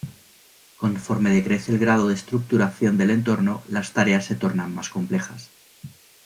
Conforme decrece el grado de estructuración del entorno las tareas se tornan más complejas.